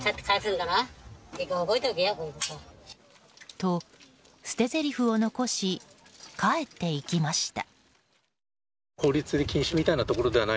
と、捨てぜりふを残し帰っていきました。